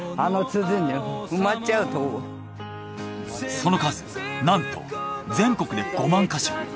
その数なんと全国で５万ヵ所。